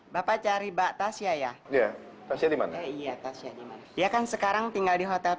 bapak cari baktasia ya iya pasti dimana iya dia kan sekarang tinggal di hotel